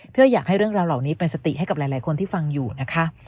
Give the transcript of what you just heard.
เพื่ออยากให้เรื่องราวเหล่านี้เป็นสติให้กับหลายคนที่ฟังอยู่นะคะ